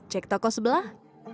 cek toko sebelah